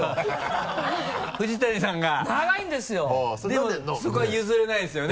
でもそこは譲れないんですよね？